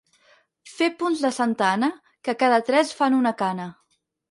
Fer punts de santa Anna, que cada tres fan una cana.